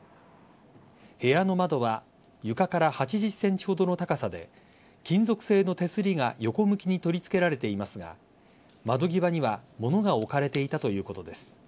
部屋の窓は床から８０ｃｍほどの高さで金属製の手すりが横向きに取り付けられていますが窓際には物が置かれていたということです。